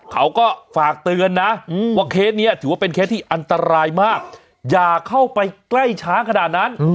เขาก็ฝากเตือนนะว่าเคสนี้ถือว่าเป็นเคสที่อันตรายมากอย่าเข้าไปใกล้ช้างขนาดนั้น